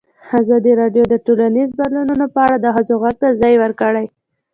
ازادي راډیو د ټولنیز بدلون په اړه د ښځو غږ ته ځای ورکړی.